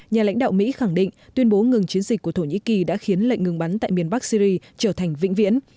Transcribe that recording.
nhà lãnh đạo mỹ khẳng định tuyên bố ngừng chiến dịch của thổ nhĩ kỳ đã khiến lệnh ngừng bắn tại miền bắc syri trở thành vĩnh viễn